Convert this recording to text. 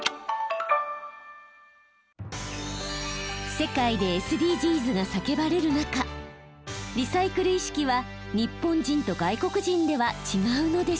世界でＳＤＧｓが叫ばれる中リサイクル意識は日本人と外国人では違うのでしょうか？